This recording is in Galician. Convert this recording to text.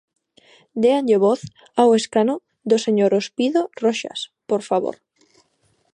Déanlle voz ao escano do señor Ospido Roxas, por favor.